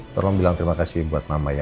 tolong bilang terima kasih buat mama ya